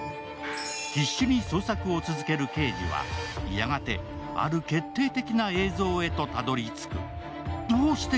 必死に捜索を続ける刑事は、やがてある決定的な映像へとたどり着く。